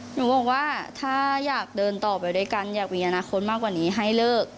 หนูบอกว่าถ้าอยากเดินต่อไปด้วยกันอยากมีอนาคตมากกว่านี้ให้เลิก